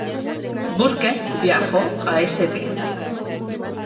Burke viajó a St.